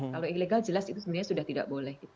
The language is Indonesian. kalau ilegal jelas itu sebenarnya sudah tidak boleh